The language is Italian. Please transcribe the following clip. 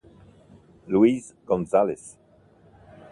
Luis González